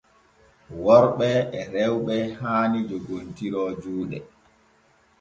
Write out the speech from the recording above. Worɓe e rewɓe haani joggontiro juuɗe.